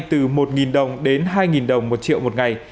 từ một đồng đến hai đồng một triệu một ngày